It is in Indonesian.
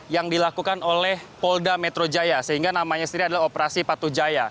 yang dilakukan oleh polda metro jaya sehingga namanya sendiri adalah operasi patu jaya